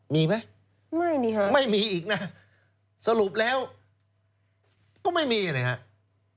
มีไหมไม่นี่ฮะไม่มีอีกนะสรุปแล้วก็ไม่มีนะครับ